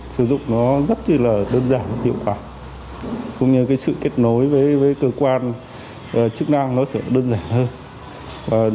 sử dụng nó rất là đơn giản và hiệu quả cũng như cái sự kết nối với cơ quan chức năng nó sẽ đơn giản hơn